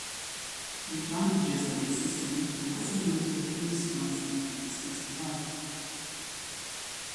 The advantages of the system are similar to the Fenestron system discussed above.